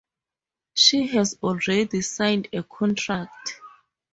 She has already signed a contract.